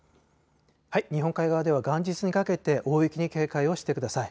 日本海側では元日にかけて大雪に警戒をしてください。